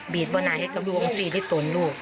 บีตบอกหน้าให้กบลูงซีรี่ตนลูก